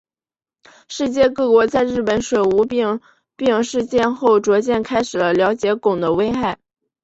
世界各国在日本水俣病事件后逐渐开始了解汞的危害。